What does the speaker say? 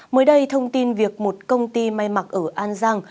mới đây thông tin việc một công ty may mặc ở an giang